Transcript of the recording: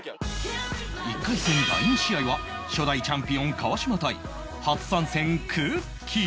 １回戦第２試合は初代チャンピオン川島対初参戦くっきー！